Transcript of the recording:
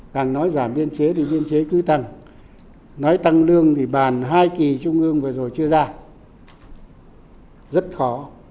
càng nói giảm biên chế thì biên chế cứ tăng nói tăng lương thì bàn hai kỳ trung ương vừa rồi chưa ra rất khó